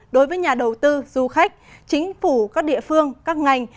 đối với nhà đầu tư du khách chính phủ các địa phương các ngành